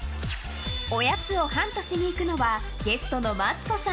おやつをハントしに行くのはゲストのマツコさん